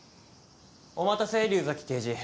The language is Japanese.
お待たせ竜崎刑事。